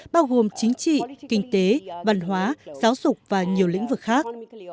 bao gồm chính trị kinh tế văn hóa giáo dục và nhiều lĩnh vực khác